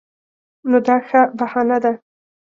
نو دا ښه بهانه ده.